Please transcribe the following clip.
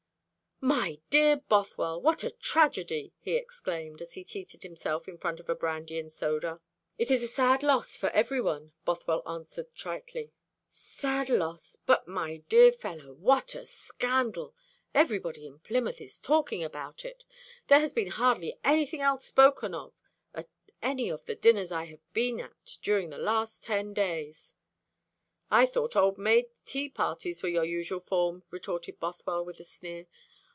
"My dear Bothwell, what a tragedy!" he exclaimed, as he seated himself in front of a brandy and soda. "It is a sad loss for every one," Bothwell answered tritely. "Sad loss but, my dear fellow, what a scandal! Everybody in Plymouth is talking about it. There has been hardly anything else spoken of at any of the dinners I have been at during the last ten days." "I thought old maids' tea parties were your usual form," retorted Bothwell, with a sneer.